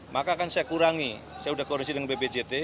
maka akan saya kurangi saya sudah koreksi dengan bbjt